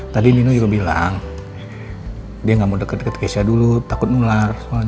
tadi nino juga bilang dia gak mau deket deket kesya dulu takut ngular soalnya